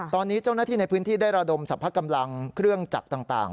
ตอนนี้เจ้าหน้าที่ในพื้นที่ได้ระดมสรรพกำลังเครื่องจักรต่าง